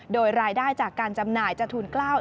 โดยรายได้จากการจำหน่ายจะทูล๙